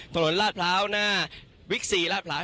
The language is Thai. ลาดพร้าวหน้าบิ๊กซีลาดพร้าว